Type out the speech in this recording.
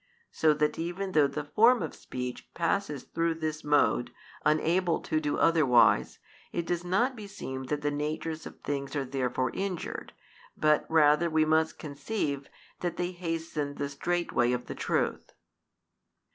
so that even though the form of speech passes through this mode, unable to do otherwise, it does not beseem that the natures of things are therefore injured, but rather we must conceive that they hasten the straight way of the truth.